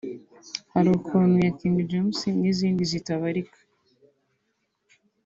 ‘Hari ukuntu’ ya King James n’izindi zitabarika